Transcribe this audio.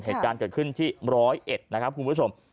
เหตุการณ์เกิดขึ้นที่๑๐๑นะครับคุณผู้ชม